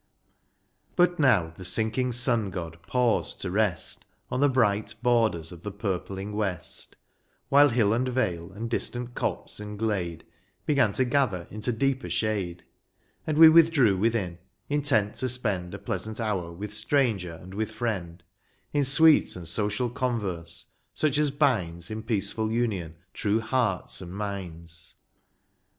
But now the sinking Sun god paused to rest On the bright borders of the purpling west, While hill and vale, and distant copse and glade Began to gather into deeper shade. And we withdrew within, intent to spend A pleasant hour with stranger and with friend In sweet and social converse, such as binds In peaceful union true hearts and minds.